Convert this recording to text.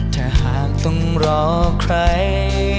ถ้าหากต้องรอใคร